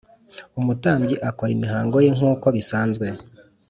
Umutambyi akora imihango ye nk’uko bisanzwe